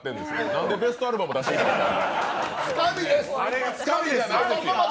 なんでベストアルバム出してきたんですか。